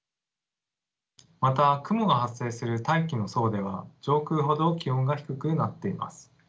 また雲が発生する大気の層では上空ほど気温が低くなっています。